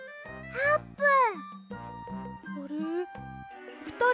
あーぷん？